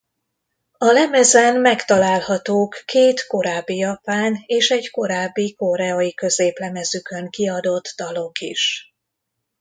A lemezen megtalálhatók két korábbi japán és egy korábbi koreai középlemezükön kiadott dalok is.